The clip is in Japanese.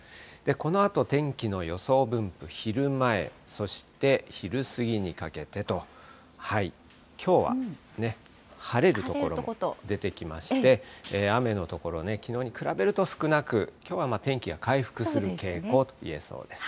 このあと、天気の予想分布、昼前、そして昼過ぎにかけてと、きょうは晴れる所も出てきまして、雨の所、きのうに比べると、少なく、きょうは天気が回復する傾向といえそうです。